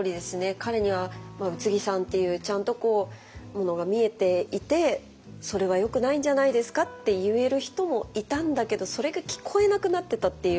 彼には宇津木さんっていうちゃんとものが見えていてそれはよくないんじゃないですかって言える人もいたんだけどそれが聞こえなくなってたっていう。